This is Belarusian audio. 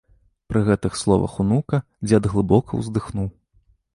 Пры гэтых словах унука дзед глыбока ўздыхнуў.